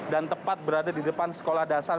dan tepat berada di depan sekolah dasar